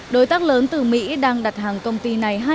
đối tác lớn từ mỹ đang đặt hàng công ty này hai mươi chín